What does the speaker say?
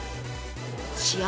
試合